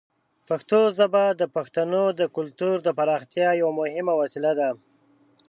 پښتو ژبه د پښتنو د کلتور د پراختیا یوه مهمه وسیله ده.